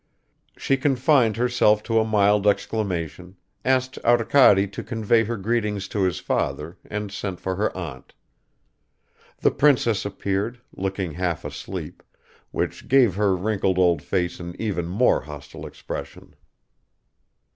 She confined herself to a mild exclamation, asked Arkady to convey her greetings to his father, and sent for her aunt. The princess appeared, looking half asleep, which gave her wrinkled old face an even more hostile expression.